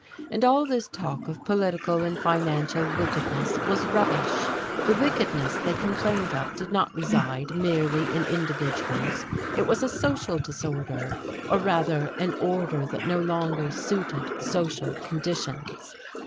And all this talk of political and financial "wickedness" was rubbish; the wickedness they complained of did not reside merely in individuals it was a social disorder, or rather an order that no longer suited social conditions.